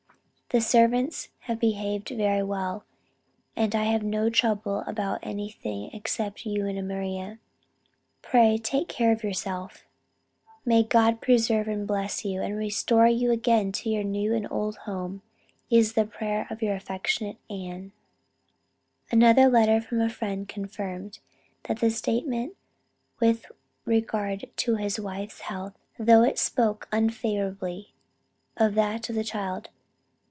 The servants behave very well, and I have no trouble about anything except you and Maria. Pray take care of yourself.... May God preserve and bless you, and restore you again to your new and old home is the prayer of your affectionate Ann." Another letter from a friend confirmed the statement with regard to his wife's health, though it spoke unfavorably of that of the child.